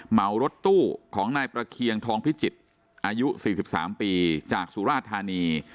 เหมารถตู้ของนายประเคียงทองพิจิตรอายุ๔๓ปีจากสุราธานี